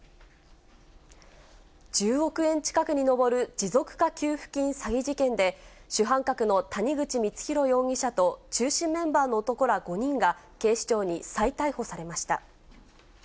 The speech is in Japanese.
１０億円近くに上る持続化給付金詐欺事件で、主犯格の谷口光弘容疑者と中心メンバーの男ら５人が、警視庁に再逮捕されました。